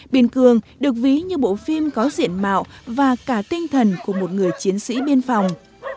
biên cương được ví như bộ phim có diện mạo và cả tinh thần của một người chiến sĩ biên phòng